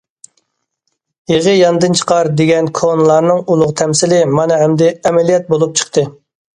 « يېغى ياندىن چىقار» دېگەن كونىلارنىڭ ئۇلۇغ تەمسىلى مانا ئەمدى ئەمەلىيەت بولۇپ چىقتى.